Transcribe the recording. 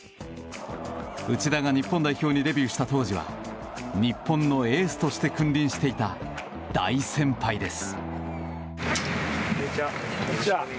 内田が日本代表にデビューした当時は日本のエースとして君臨していた大先輩です。